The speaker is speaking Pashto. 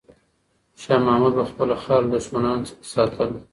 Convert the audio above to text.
شاه محمود به خپله خاوره له دښمنانو څخه ساتله.